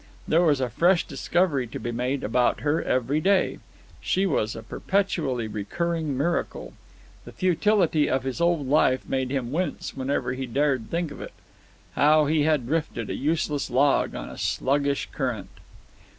There was a fresh discovery to be made about her every day. She was a perpetually recurring miracle. The futility of his old life made him wince whenever he dared think of it. How he had drifted, a useless log on a sluggish current!